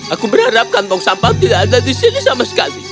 aku berharap kantong sampah tidak ada di sini sama sekali